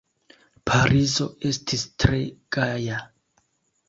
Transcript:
Parizo estis tre gaja.